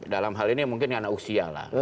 dalam hal ini mungkin karena usia